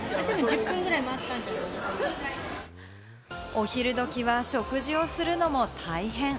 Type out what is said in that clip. お昼時は食事をするのも大変。